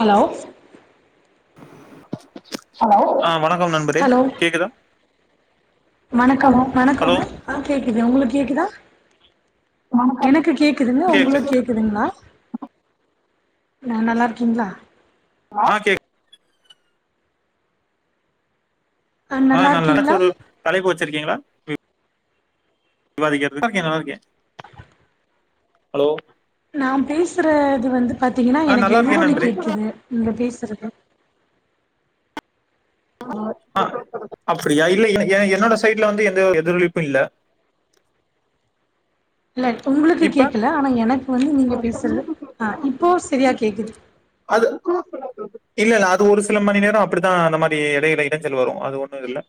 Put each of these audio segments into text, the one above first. hello ஆ வணக்கம் நண்பரே ஹலோ கேக்குதா வணக்கம் ஹலோ வணக்கம்ங்க ஆ கேக்குது உங்களுக்கு கேக்குதா எனக்கு கேக்குதுங்க கேக்குது உங்களுக்கேக் க்குதுங்களா ந நல்லாருக்கீங்களா ஹலோ ஆ நல்லா எதாச்ச ஒரு தலைப்பு வச்சிரிக்கீங்களா விவாதிக்கரது நல்லாருக்கே ஹலோ நா பேசுற இது வந்து பாத்தீங்கன்னா ஆ எனக்கு நல்லா இருக்கே எதிரொலி நண்பரே கேட்குது நீங்க பேசுறது அ அப்படியா இல்ல எ என்னோட சைட்ல வந்து எந்த எதிரொலிப்பும் இல்ல இல்ல உங்களுக்கு இப்ப கேக்கல ஆனா எனக்கு வந்து நீங்க பேசறது ஆ இப்போ சரியா கேக்குது அது இல்ல இல்ல அது ஒரு சில மணி நேரம் அப்படித்தா அந்த மாறி எடையில இடைஞ்சல் வரும் அது ஒண்ணும் இல்ல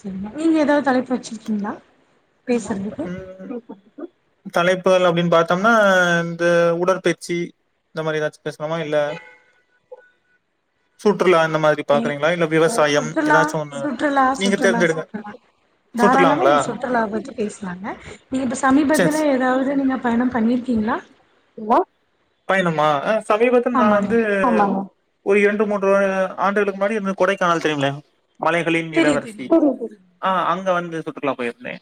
சரிங்க நீங்க எதாவது தலைப்பு வச்சிருக்கீங்களா பேசுறதுக்கு ம் தலைப்புகள் அப்படின்னு பாத்தோம்னா இந்த உடற்பயிர்ச்சி இந்த மாறி ஏதாச்சும் பேசலாமா இல்ல சுற்றுலா இந்த மாதிரி பாக்கறீங்களா இல்ல விவசாயம் சுற்றுலா ஏதாச்சும் ஒண்ணு சுற்றுலா நீங்க சுற்றுலா தேர்ந்தெடுங்க சுற்றுலா தாராளமா சுற்றுலாங்களா நீங்க சுற்றுலா பத்தி பேசுலாங்க நீங்க இப்ப சேர் சமீபத்துல சே ஏதாவது நீங்க பயணம் பண்ணிருக்கீங்களா பயணமா சமீபத்துல நா ஆமாங்க வந்து ஒரு இரண்டு மூன்று ஆண்டுகளுக்கு முன்னாடி இந்த கொடைக்கானல் தெரியுமில்லயா மலைகளின் தெரியு இளவரசி தெரியுங்க சொல்லுங்க சொல்லுங்க ஆ அங்க வந்து சுற்றுலா போயிருந்தே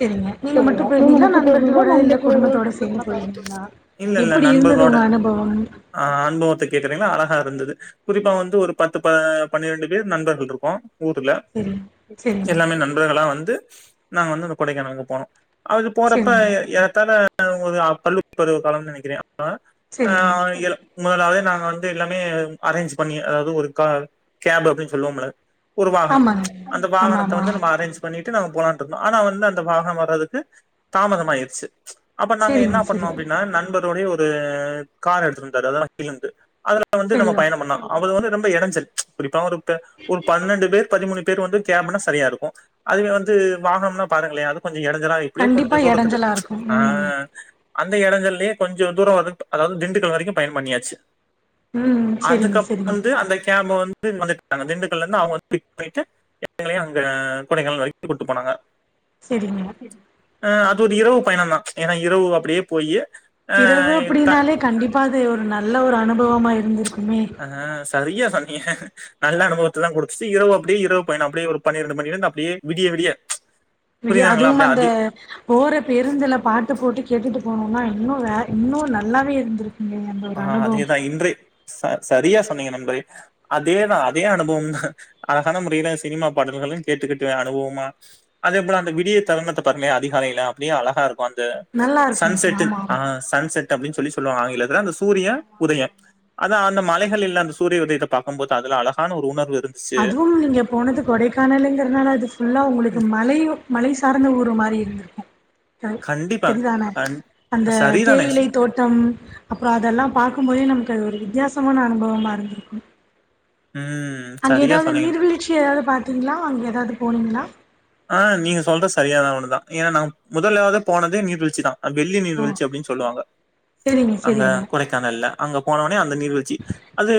சரிங்க நீங்க மட்டு [unintelligible] நீங்க போயிருந்தீங்களா மட்டும் நண்பர்களோட போனீங்கன்னா இல்ல குடும்பத்தோட சேர்ந்து நண்பர்களோட போயிருந்தீங்களா இல்ல இல்ல எப்படி இருந்தது நண்பர்களோட உங்க அனுபவம் அ அனுபவத்த கேக்குறீங்களா அழகா இருந்தது குறிப்பா வந்து ஒரு பத்து ப பனிரெண்டு பேர் நண்பர்கள் இருக்கோம் ஊர்ல சரி சரிங்க எல்லாமே நண்பர்களா வந்து நாங்க வந்து அந்த கொடைக்கானலுக்கு போனோம் அது போறப்ப சரிங்க ஏறத்தால உங்களது பள்ளி பருவ காலம்னு நினைக்கிறேன் அப்ப அ சரிங்க இள [unintelligible] நாங்க வந்து எல்லாமே அரேஞ்ச் பண்ணி அதாவ்து ஒரு கா கேப் அப்டின்னு சொல்லுவோம்ல்ல ஒரு வாகனம் ஆமாங்க அந்த ஆமா வாகனத்த ஆமா வந்து நம்ம அரேஞ்ச் பண்ணிட்டு நாங்க போலாண்டு இருந்தோ ஆனா வந்து அந்த வாகன வர்றதுக்கு தாமதோ ஆயிடுச்சு அப்ப நாங்க சரிங்க என்னாப் சரிங்க னா நண்பரோடையே ஒரு கார் எடுத்துட்டுவந்ட்டாரு [unintelligible] அதுல வந்து நம்ம சரியோ பயண பண்ண அவ்ள வந்து ரொம்ப எடஞ்சல் குறிப்பா ஒருத்த ஒரு பன்னெண்டு பேர் பதிமூணு பேர் வந்து கேப்னா சரியா இருக்கு அதுவே வந்து வாகனம்னா பாருங்களே அது கொஞ்ச எடஞ்சலா எப்டியே கண்டிப்பா கொஞ்ச தூரத்துக்கு எடஞ்சலா இருக்கு அ ம் அந்த எடஞ்சல்லயே கொஞ்ச தூரோ வந்து அதாவ்து திண்டுக்கல் வரைக்கு பயண பண்ணியாச்சு ம் சரிங்க அதுக்கப்பறோ சரிங்க வந்து அந்த கேப் வந்து வந்துட்டாங்க திண்டுக்கல்ல இருந்து அவுங்க வந்து பிக் பண்ணிட்டு எங்களையு அங்க கொடைகானல் வரைக்கு கூட்டு போனாங்க சேரிங்க அ அது ஒரு இரவு பயணதா ஏன்னா இரவு அப்டியே போயி இரவு அப்டின்னாலே கண்டிப்பா அது ஒரு நல்ல ஒரு அனுபவமா இருந்திருக்குமே ஆ சரியா சொன்னீங்க நல்ல அனுபவத்த தா குடுத்துச்சி இரவு அப்டியே இரவு பயண அப்டியே ஒரு பனிரெண்டுமணியிலேந்து அப்டியே விடிய விடிய விடிய புரியுதாங்களா அதுவு அப்படியே அந்த அதி போற பேருந்துல பாட்டு போட்டு கேட்டுட்டு போனோனா இன்னு வே இன்னு நல்லாவே இருந்திருக்குமே அ அதேதா இன்றே ச சரியா சொன்னீங்க நண்பரே அதேதா அதே அனுபவதா அழகான முறையில சினிமா பாடல்களு கேட்டுக்கிட்டு அனுபவமா அதே போல அந்த விடிய தருணத்த பாருங்களே அதிகாலையில அப்டியே அழகா இருக்கு அந் த நல்லா இருக்குங்க சன்செட்டு ஆமா ஆ ஆமா சன்செட் அப்டின்னு சொல்லி சொல்லுவாங்க ஆங்கிலத்துல அந்த சூரியே உதயே அதா அந்த மலைகள்ல்ல அந்த சூரிய உதயத்த பாக்குபோது அதுல அழகான ஒரு உணர்வு இருந் அதுவு நீங்க போனது கொடைக்கானலுங்கிறதுனால அது ஃபுல்லா உங்களுக்கு மலையு மலை சார்ந்த ஊரு மாறி இருந்திருக்கு [unintelligible] கண்டிப்பா சேரிதானே கண் அந்த சரிதானே தேயிலை தோட் டம் அப்றோ அதெல்லா பாக்குபோதே நமக்கு அது ஒரு வித்தியாசமான அனுபவமா இருந்திருக்கு ம் அங்க சரியா ஏதாவுது சொன்னீங்க நீர்வீழ்ச்சி ஏதாவ்து பாத்தீங்ளா அங்க ஏதாவ்து போனீங்ளா அ நீங்க சொற்றது சரியான ஒன்னுதா ஏன்னா நாங்க முதலாவுதா போனதே நீர்வீழ்ச்சி தா வெள்ளி ஓ நீர்வீழ்ச்சி அப்டின் சொல்லுவாங்க செரிங்க அங்க செரிங்க கொடைக்கானல்ல அங்க போனவுன்னே அந்த நீர்வீழ்ச்சி அது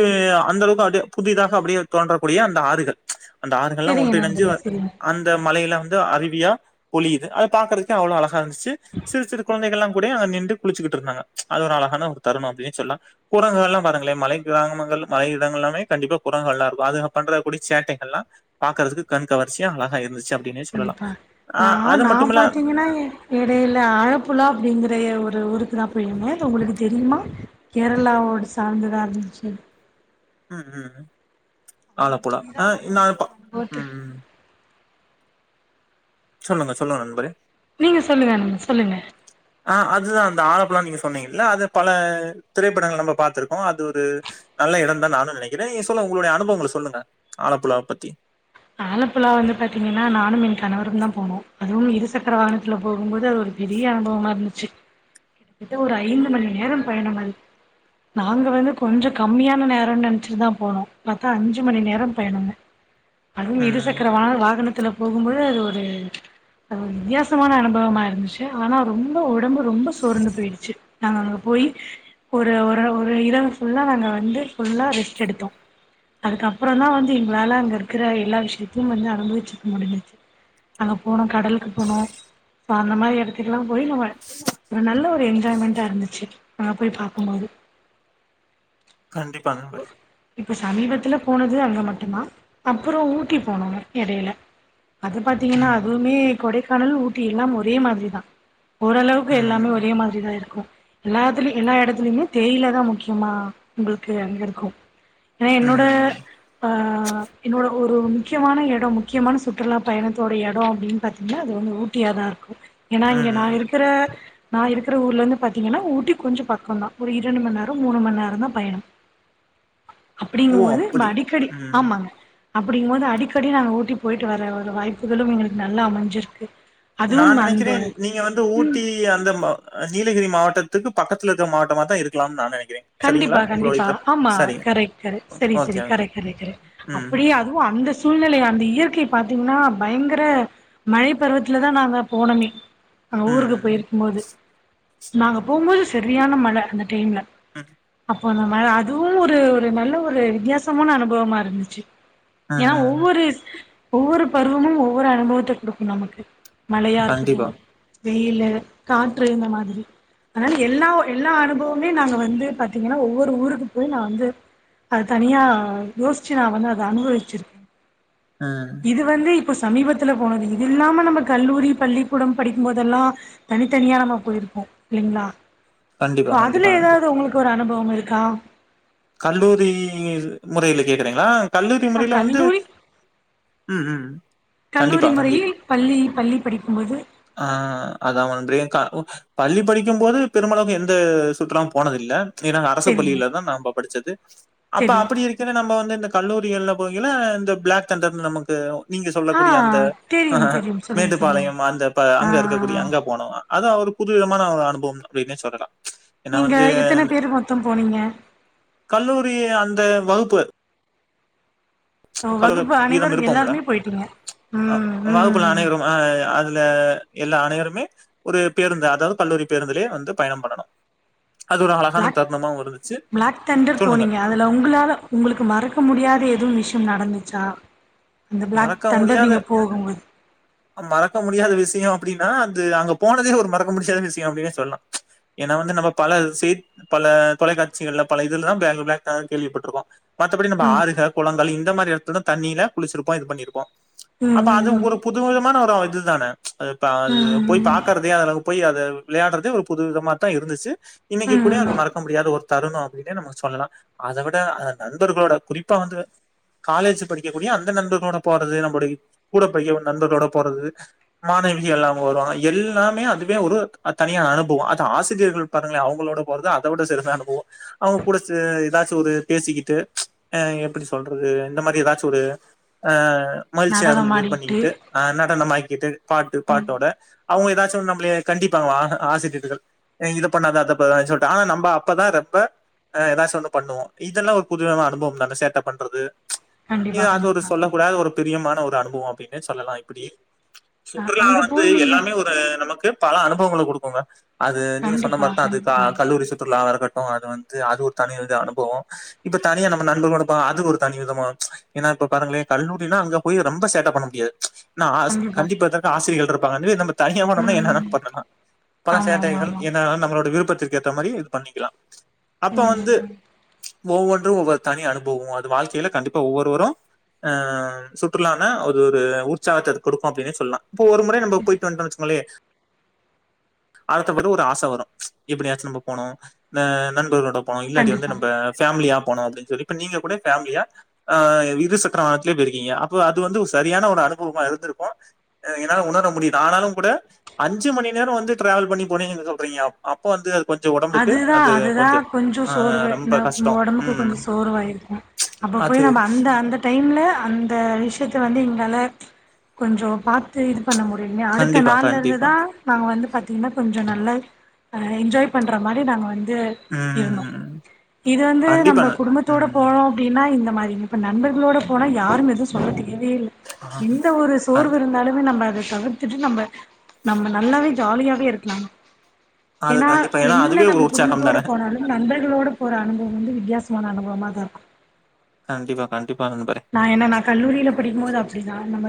அந்த அளவுக்கு அப்டியே புதிதாக அப்டியே தோன்றக்கூடிய அந்த ஆறுகள் அந்த ஆறுகள்லா செரிங்க ஒன்றினஞ்சி நண்பரே வர செரிங்க இந்த மலைகள வந்து அருவியா பொலியுது அது பாக்கறதுக்கே அவ்ளோ அழகா இருந்துச்சி சிறு சிறு கொழுந்தைகள்லா கூட நின்டு குளிச்சுக்கிட்டு இருந்தாங்க அது ஒரு அழகான ஒரு தருணோ அப்டின்னே சொல்ல குரங்கள்லா பாருங்களே மலை கிராமங்கள் மலை இடங்கள்லாமே கண்டிப்பா குரங்கள்லா இருக்கு அதுங் பண்ற கூடிய சேட்டைகள்லா பாக்குறதுக்கு கண் கவர்ச்சிய அழகா இருந்துச்சி கண்டிப்பா நா நா மட்டுமில்ல பாத்தீங்கன்னா எ இடையில அழப்புலா அப்டிங்கிற ஒரு ஊருக்குதா போயய்ருந்தே அது உங்ளுக்கு தெரியுமா கேரளாவோடு சார்ந்துதா இருந்துச்சி ம் ம் ம் ஆலப்போல ஆ நா அப்ப அனுபவத்த ம் ம் சொல்லுங்க சொல்லுங்க நண்பறே நீங்க சொல்லுங்க [inaudible] சொல்லுங்க ஆ அதுதா அந்த ஆழப்பலா நீங்க சொன்னீங்கல்ல அது பல திரைப்படங்கள் நம்ப பாத்திருக்கோ அது ஒரு நல்ல எடம்தா நானு நெனைக்கிறே நீங்க சொல்லுங்க உங்களுடைய அனுபவங்கள சொல்லுங்க ஆழப்புலாவ பத்தி ஆலப்புலா வந்து பாத்தீங்கன்னா நானும் என் கணவருதா போனோ அதுவும் இருசக்கர வாகனத்துல போகுபோது அது ஒரு பெரிய அனுபவமா இருந்துச்சி கிட்டத்தட்ட ஒரு ஐந்து மணி நேரம் பயணம் மாரி நாங்க வந்து கொஞ்ச கம்மியான நேரோ நென்ச்சிட்டுதா போணோ பாத்தா அஞ்சு மணி நேரம் பயணோங்க அதுவு ம் இருசக்கர வாகன வாகனத்துல போகும்போது அது ஒரு அது ஒரு வித்தியாசமான அனுபவமா இருந்துச்சி ஆனா ரொம்ப ஒடம்பு ரொம்ப சோர்ந்து போயிடுச்சி நாங்க அங்க போய் ஒரு ஒரு ஒரு இரவு ஃபுல்லா நாங்க வந்து ஃபுல்லா ரெஸ்ட் எடுத்தோ அதுக்கப்பறோதா வந்து எங்களால அங்க இருக்குற எல்லா விஷயத்தயையு வந்து அனுபவெச்சிருக்க முடிஞ்சிச்சு அங்க போனோ கடலுக்கு போனு சோ அந்த மாரி எடத்து த்துக்கெல்லா போய் நம்ம ஒரு நல்ல ஒரு என்ஜாய்மெண்டா இருந்துச்சி நாங்க போய் பாக்குபோது கண்டிப்பா அந்த மாரி இப்ப சமீபத்துல போனது அங்க மட்டுதா அப்பறோ ஊட்டி போணோ எடேல அது பாத்தீங்கன்னா ம் அதுவுமே கொடைக்கானல் ஊட்டி எல்லாம் ஒரே மாதிரிதா ஓரளவுக்கு எல்லாமே ம் ஒரே மாதிரிதா இருக்கு எல்லாத்துலயு எல்லா எடத்துலயுமே தேயிலதா முக்கியமா உங்களுக்கு அங்க இருக்கு நா என்னோட ம் ஆ என்னோட ஒரு முக்கியமான எடோ முக்கியமான சுற்றுலா பயணத்தோடய எடோ அப்டின்னு பாத்திங்கன்னா அது வந்து ஊட்டியாதா ருக்கு ஏன்னா இங்க நா ம் இருக்கிற நா இருக்குற ஊர்லருந்து பாத்தீங்கன்னா ஊட்டி கொஞ்சோ பக்கந்தா ஒரு இரண்டு மண் நேரோ மூணு மண்நேரோதா பயணம் ஓ அப்டிங்குபோது ம்ப அப்படி அடிக்கடி ம் ஆமாங்க அப்படிங்குபோது அடிக்கடி நாங்க ஊட்டி போயிட்டு வர ஒரு வாய்ப்புகளும் எங்ளுக்கு நல்லா அமைஞ்சிருக்கு நா அதுவும் அந்த நெனக்கிறே நீங்க வந்து ஊட்டி ஏ அந்த மா நீலகிரி மாவட்டத்துக்கு பக்கத்துலதா இருக்கற மாவட்டமாதா இருக்கலாம் நா நெனைக்கிறே சரிங்களா கண்டிப்பா உங்களுடைய கண்டிப்பா கிராம ஆம்மா சரிங்க கரெட் கரெட் ஓ செரி ஓகே செரி கரெ ஓகே கரெ கரெ ம் அப்டியே அதுவு அந்த சூழ்நெலய அந்த இயற்கைய பாத்தீங்கன்னா பயங்கர மழை பருவத்துலதா நாங்க போனமே அங்க ம் ஊருக்கு ம் போயிருக்கு போது நாங்க போம்போது செரியான மழ அந்த டைம்ல ம் போன மாரி அதுவும் ஒரு ஒரு நல்ல ஒரு வித்தியாசமான அனுபவமா இருந்துச்சி ம் ஏன்னா ம் ஒவ்வொரு ஒவ்வொரு பருவமு ஒவ்வொரு அனுபவத்த குடுக்கு நமக்கு மழயா இருக்கட்டு கண்டிப்பா வெயில்லு காற்று இந்த மாதிரி அதனால எல்லா எல்லா அனுபவமே நாங்க வந்து பாத்தீங்கன்னா ஒவ்வொரு ஊருக்கு போய் நா வந்து அது தனியா யோஷ்ச்சு நா வந்து அத அனுபவிச்சிருக்கே ம் இது வந்து இப்போ சமீபத்துல போனது இது இல்லாம நம்ம கல்லூரி பள்ளிக்கூடம் படிக்குபோதெல்லா தனித்தனிய நம்ம போயிருக்கோ இல்லீங்களா கண்டிப்பா இப்ப கண்டிப்பா அதுல நண்பரே ஏதாவது உங்களுக்கு ஒரு அனுபவம் இருக்கா கல்லூரி மொறைல கேக்குறீங்களா கல்லூரி ஆ மொறைல வந்து கல்லூரி ம் ம் கண்டிப்பா கல்லூரி கண்டிப் முறையில் பள்ளி பள்ளி படிக்குபோது ஆ அதா வன்றி கா உ பள்ளி படிக்கு போது பெருமளவுக்கு எந்த சுற்றுலாவு போனதில்ல ஏனா நா அரசு செரிங்க பள்ளில தா நம்ம படிச்சது அப்ப செரி அப்டி இருக்கேல நம்ம வந்து இந்த கல்லூரிகள்ல போகேல இந்த பிளாக் தண்டர் நமக்கு நீங்க ஆ சொல்லக்கூடிய அந்த தெரியும் தெரியும் சொல்லுங்க சொல்லுங்க மேட்டுப்பாளையம் அந்த ப அங்க இருக்கக்கூடிய ஆ அங்க போனோ வ அதா ஒரு புதுவிதமான ஒரு அனுபவம் அப்டின்னே சொல்லலா ஏன்னா நீங்க வந்து எத்தன பேரு மொத்தோ போனீங்க கல்லூரி அந்த வகுப்பு ஓ கலு வகுப்பு வீதம் அனைவரும் இருப்போம்ல எல்லாருமே போயிட்டீங்க அ ம் வகுப்புல ம் அனைவரு ஆ அதுல எல்லா அனைவருமே ஒரு பேருந்து அதாவது கல்லூரி பேருந்துலேயே வந்து பயணம் பண்ணணு அது ஒரு அழகான பிளாக் தருணமாவு இருந்துச்சு சொல்லுங்க இல்ல உங்களால உங்களுக்கு மறக்க முடியாத எதுவு விஷயம் நடந்துச்சா அந்த பிளாக் மறக்க தண்டர் முடியாத நீங்க போகும்போது மறக்க முடியாத விஷயோ அப்டின்னா அது அங்க போனதே ஒரு மறக்க முடியாத விஷயோ அப்டின்னே சொல்லலா ஏன்னா வந்து நம்ம பல செய் பல தொலைக்காட்சிகள்ல பல இதுலதா பேங் பிளக் தண்டர் கேள்விப்பட்டிருக்கோ மத்தபடி நம்ம ம் ஆறுக குளங்கள் இந்த மாரி எடத்துல தண்ணில குளிச்சிருப்போ இது பண்ணிருப்போ ம் அப்ப ம் அது ம் ஒரு புது விதமான ஒரு இது தான அது பா அது போய் ம் ம் பாக்கறதே அளவு போய் அத விளையாடுறதே ஒரு புது விதமா தா இருந்துச்சு இன்னிக்கி கூட ம் அது மறக்க முடியாத ஒரு தருனோ அப்டின்னே நம்ம சொல்லலா அத விட அ நண்பர்களோட குறிப்பா வந்து காலேஜ் படிக்கக்கூடிய அந்த நண்ப னோட போறது நம்முடை கூட படிக நண்பர்களோட போறது மாணவிக எல்லாம் வருவாங்க எல்லாமே அதுவே ஒரு அ தனிய அனுபவோ அது ஆசிரியர்கள் பாருங்களோ அவங்களோட போறத அத விட சிறந்த அனுபவோ அவங்க கூட சே ஏதாச்சு ஒரு பேசிக்கிட்டு அ எப்டி சொல்றது இந்த மாரி ஏதாச்சு ஒரு அ மகிழ்ச்சியா இருந்து இது நடனமாடிட்டு பண்ணிக்கிட்டு அ நடனமாக்கிட்டு பாட்டு ம் பாட்டோட அவுங்க ஏதாச்சு நம்மலேயே கண்டிப்பாங்களா ஆஹ ஆசிரியர்கள் அ இத பண்ணாதா அதப்பா சொல்டே ஆனா நம்ப அப்பதா ரொப்ப ஆ ஏதாசு ஒன்னு பண்ணுவோ இதெல்லா ஒரு புதுவமான அனுபவோ தான சேட்ட பண்றது ஏ கண்டிப்பா அது ஒரு கண்டிப்பா சொல்ல கூடாது ஒரு பிரியமான ஒரு அனுபவோ அப்டின்னே சொல்லலா இப்பிடி அ சுற்றுலா அங்க வந்து போய் நீங்க எல்லாமே ஒரு நமக்கு பல அனுபவங்கள குடுக்குங்க அது நீங்க சொன்ன கண்டிப்பா மாரிதா அது க கண்டிப்பா கல்லூரி சுற்றுலாவாருக்கட்டு அது வந் து அது ஒரு தனிவித அனுபவோ இப்ப தனியா நம்ம நண்பர்லோட போ அது ஒரு தனி விதமா ஏன்னா இப்ப பாருங்களே கல்லூரினா அங்க போயி ரொம்ப சேட்ட பண்ண முடியாது ன்னா ஆஸ் கண்டிப்பா கண்டிப்பதற்க ஆசிரியர்கள் இருப்பாங்க இதுவே நம்ம தனிய போன்னம்னா ம் ம் என்னவேணாலு பண்ணலா பல ஆமா ஆமா சேட்டைகள் ஆமா என்ன வேணாலு நம்மளோட விருப்பத்திற் கேத்த மாறி இது பண்ணிக்கலா அப்ப வந்து ம் ஒவ்வொன்று ஒவ்வொரு தனி அனுபவோ அது வாழ்கையில கண்டிப்ப ஒவ்வொருவரு அ சுற்றுலான ஒரு ஒரு உற்சாகத்த இது கொடுக்கு அப்டின்னே சொல்லலா இப்ப ஒரு முறை நம் போயிட்டு வன்ட்டோனு வச்சிச்சுங்களே அடுதபது ஒரு ஆச வரு எப்டியாச்சு நம்ம போனு அ நண்பர்களோட போனு இல்லாட்டி வந்து கண்டிப்பா நம்ப பேமிலியா போனு அப்டின் சொல்லி இப்ப நீங்க கூட பேமலியா இருசு ற்ற வாகனத்திலே போயிருக்கீங்க அப்போ அது வந்து ஒரு சரியான ஒரு அனுபவமா இருந்திருக்கு என்னால உணர முடியுது ஆனாலு கூட அஞ்சு மணி நேரோ வந்து டிராவல் பண்ணி போனீங்க சொல்றீங்க அப்போ வந்து அது கொஞ்சோ ஒடம்புக்கு அதுதா அது அதுதா கொஞ்சோ ஆ சோர்வு ரொம்ப ந கஷ்டோ ஒடம்புக்கு ம் கொஞ்சோ சோர்வாயிருக்கு அப்ப போய் அது நம்ம அந்த அந்த டைம்ல அந்த விஷயத்த வந்து எங்களால கொஞ்சோ பாத்து பண்ண முடியுமே அடுத்த கண்டிப்பா நாள்ல இருந்து கண்டிப்பா தா நாங்க வந்து பாத்தீங்கன்னா கொஞ்சோ நல்ல என்ஜாய் பண்ற மாரி நாங்க வந்து இருந்தோ ம் இது வந்து கண்டிப்பா நம்ம ந- குடும்பத்தோட ம் போனோ அப்டின்னா இந்த மாரி இப்ப நண்பர்களோட போனா யாரும் எதுவு சொல்ல தேவேயே இல்ல எந்த ஒரு க- சோர்வு இருந்தாலுமே நம்ம அத தவிர் த்துட்டு நம்ம நம்ம நல்லாவே ஜாலியாவே இருக்கலாங்க அது கண்டிப்பா ஏன்னா அதுவே ஒரு உற்சாகம் குடும்பத்தோட தான போனாலும் நணர்களோடு போற அனுபவம் வந்து வித்தியாசமான அனுபவமாக தா இருக்கும் கண்டிப்பா கண்டிப்பா நண்பரே நான் என்ன ந கல்லூரியில படிக்கும்போது அப்டிதான் நம்ம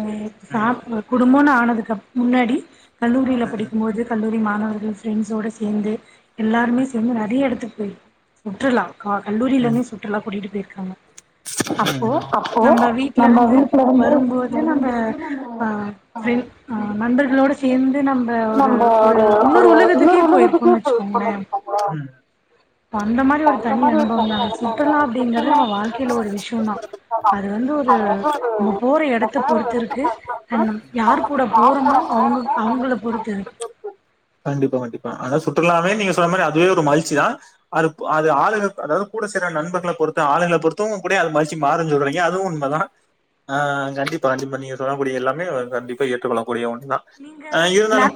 ம் சாப்ப குடும்பம்ன்னு ஆனதுக்கு முன்னாடி கல்லூரியில ம் படிக்கும்போது கல்லூரி மாணவர்கள் ஃப்ரெண்ட்ஸோடு சேர்ந்து எல்லாருமே ம் சேர்ந்து நெறைய இடத்துக்கு போய் இருக்கோ சுற்றுலா கல்லூரியில ம் இருந்தே சுற்றுலா கூட்டிகிட்டு போயிருக்காங்க அப்போ ம் அப்போ நம்ம வீட்ல நம்ம இருந்து வீட்ல இருந்து வரும்போது நம்ம வரும்போது அ நம்ம ஆ ஃப்ரண் ஆ நண்பர்களோட சேந்து நம்ம ஒரு ஒரு இன்னொரு உலகத்துக்கே போயிருப்போன்னு வச்சுக்கோங்களே உம் அந்த மாரி ஒரு தனி அனுபவம் தாங்க நடந்தாங்க சுற்றுலா அப்டிங்கறது நம்ம சுற்றுலான்றது வாழ்க்கையில ஒரு விஷயம்தா விஷயந்தா அது வந்து ஒரு அது வந்து ஒரு நம்ம போற இந்த இடத்த பேர பொறுத்து எடுத்து இருக்கு போட்டு அ வந்து நம் யாருக் நம்ம கூட யார் கூட போறோமோ அவுங்க அவுங்களளை பொறுத்து இருக்கு போறோமோ கண்டிப்பா கண்டிப்பா ஆனா சுற்றுலாமே நீங்க சொன்ன மாரி அதுவே ஒரு மகிழ்ச்சிதா அது அது ஆளுங்க அதாவது கூட சேர்ற நண்பர்களை பொறுத்த ஆளுங்கள பொறுத்தும் கூட அது மதிச்சு மாறுன் சொல்றீங்க அதுவும் உண்மைதா ஆ கண்டிப்பா கண்டிப்பா நீங்க சொல்லக்கூடிய எல்லாமே கண்டிப்பா ஏற்றுக்கொள்ளக்கூடிய ஒன்றுதா நீங்க ஆ பிளான் இருந்தாலூ